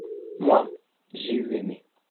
moi, j'ai eu aimé.